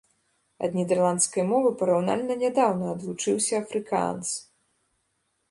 Ад нідэрландскай мовы параўнальна нядаўна адлучыўся афрыкаанс.